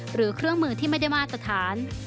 หรือเครื่องมือที่ไม่ได้มาตรฐาน